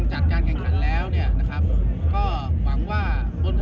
เพราะว่าไม่ต้องไปเสี่ยงกับอันตราย